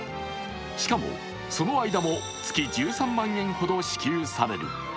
しかもその間も月１３万円ほど支給される。